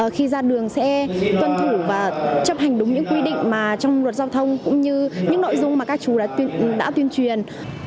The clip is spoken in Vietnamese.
khi ra đường sẽ tuân thủ và chấp hành đúng những quy định mà trong luật giao thông cũng như những nội dung mà các chú đã tuyên truyền